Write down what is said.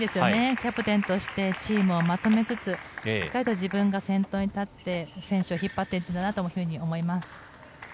キャプテンとしてチームをまとめつつ、しっかりと自分が先頭に立って、チームを引っ張っているんだなと思います。